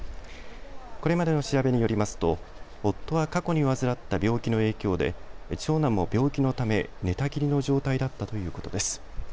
これまでの調べによりますと、夫は過去に患った病気の影響で長男も病気のため寝たきりの状態だったということです。